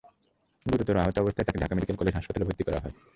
গুরুতর আহত অবস্থায় তাঁকে ঢাকা মেডিকেল কলেজ হাসপাতালে ভর্তি করা হয়।